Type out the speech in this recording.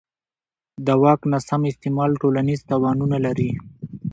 د واک ناسم استعمال ټولنیز تاوانونه لري